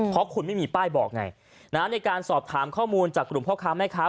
เพราะคุณไม่มีป้ายบอกไงในการสอบถามข้อมูลจากกลุ่มพ่อค้าแม่ค้า